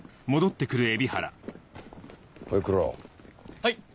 はい。